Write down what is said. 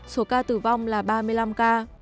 số ca tử vong là ba mươi năm ca